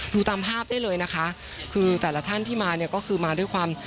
ดูตามภาพได้เลยนะคะคือแต่ละท่านที่มาเนี่ยก็คือมาด้วยความ